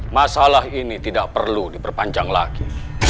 masalah ini tidak perlu diperpanjang lagi